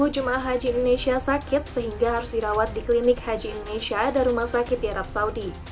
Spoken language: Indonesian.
dua puluh jemaah haji indonesia sakit sehingga harus dirawat di klinik haji indonesia dan rumah sakit di arab saudi